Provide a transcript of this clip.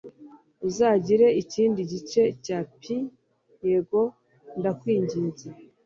Uzagira ikindi gice cya pie?" "Yego, ndakwinginze."